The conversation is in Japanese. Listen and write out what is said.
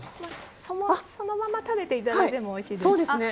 そのまま食べていただいてもおいしいです。